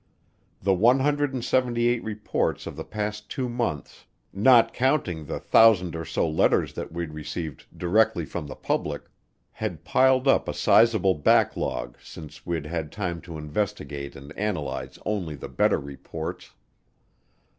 The 178 reports of the past two months, not counting the thousand or so letters that we'd received directly from the public, had piled up a sizable backlog since we'd had time to investigate and analyze only the better reports.